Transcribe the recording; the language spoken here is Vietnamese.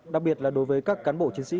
đặc biệt là đối với các cán bộ chiến sĩ